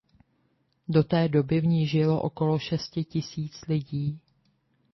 Do té doby v ní žilo okolo šesti tisíc lidí.